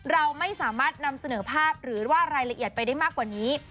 เราไม่สามารถนำเสนอภาพหรือว่ารายละเอียดไปได้มากกว่านี้